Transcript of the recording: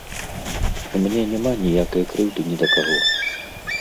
У мяне няма ніякай крыўды ні да каго.